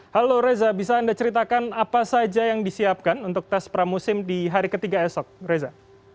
halo reza bisa anda ceritakan apa saja yang disiapkan untuk tes pramusim di hari ketiga esok reza